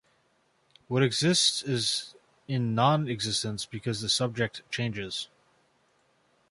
What exists is in non-existence, because the subject changes.